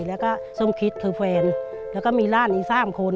แล้วก็สมคิดคือแฟนแล้วก็มีร่านอีก๓คน